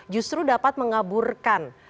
justru dapat mengaburkan